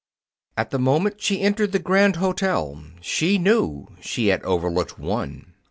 At the moment she entered the Grande Hotel, she knew she had overlooked one.